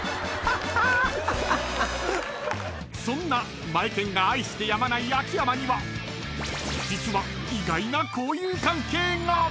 ［そんなマエケンが愛してやまない秋山には実は意外な交友関係が］